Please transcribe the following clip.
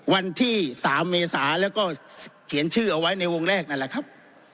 วันที่๓เมษาแล้วก็เขียนชื่อเอาไว้ในวงแรกนั่นแหละครับ